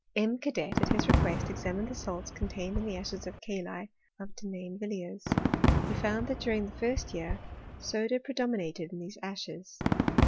M. Cadet, at his request, examined the salts contained in the ashes of the kali of Denain* villiers. He found that during the first year soda pre dominated in these ashes.